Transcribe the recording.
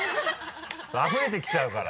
あふれてきちゃうから。